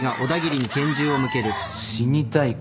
死にたいか？